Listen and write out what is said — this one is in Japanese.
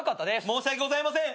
申し訳ございません。